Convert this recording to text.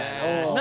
何？